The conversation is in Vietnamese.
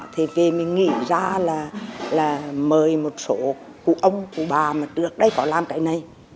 thế về mình nghĩ ra là mời một số của ông của bà mà được đây có làm cái này